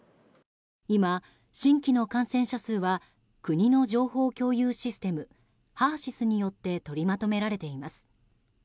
今、新規の感染者数は国の情報共有システムＨＥＲ‐ＳＹＳによって取りまとめられています。